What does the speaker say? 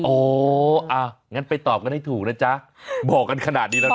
โอ้อ่ะงั้นไปตอบกันให้ถูกนะจ๊ะบอกกันขนาดนี้แล้วนะ